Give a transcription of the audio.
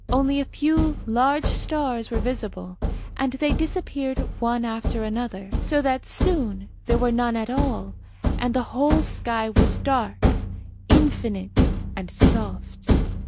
Only a few large stars were visible, and they disappeared one after another, so that soon there were none at all, and the whole sky was dark, infinite, and soft.